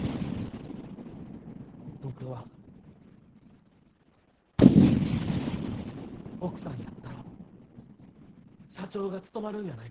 僕は奥さんやったら社長が務まるんやないかと思います。